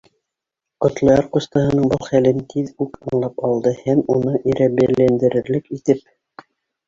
Ҡотлояр ҡустыһының был хәлен тиҙ үк аңлап алды һәм уны ирәбеләндерерлек итеп: